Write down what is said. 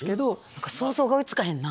想像が追いつかへんな。